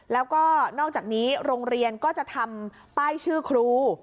แล้วก็นอกจากนี้โรงเรียนก็จะทำป้ายชื่อครู